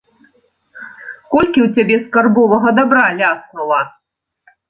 Колькі ў цябе скарбовага дабра ляснула?